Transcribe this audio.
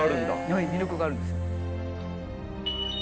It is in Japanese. はい魅力があるんです。